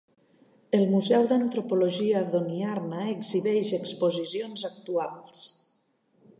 El Museu d'Antropologia d'Honiara exhibeix exposicions actuals.